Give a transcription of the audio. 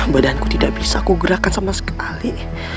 badanku tidak bisa aku gerakan sama sekali